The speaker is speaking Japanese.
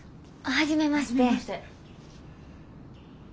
初めまして。